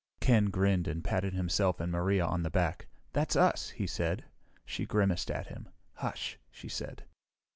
Ken grinned and patted himself and Maria on the back. "That's us," he said. She grimaced at him. "Hush!" she said.